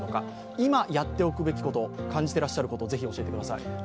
今、やっておくべきこと、感じていることをぜひ教えてください。